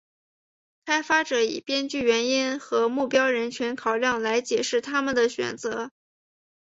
开发者以编剧原因和目标人群考量来解释他们的选择。